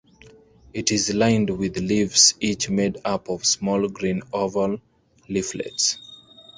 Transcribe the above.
It is lined with leaves each made up of small green oval leaflets.